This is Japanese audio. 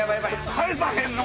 返さへんの！